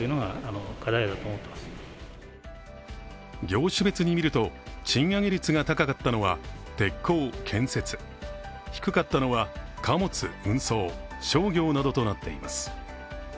業種別に見ると、賃上げ率が高かったのは鉄鋼、建設、低かったのは貨物運送商業などとなっています。